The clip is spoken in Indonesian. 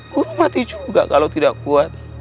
guru mati juga kalau tidak kuat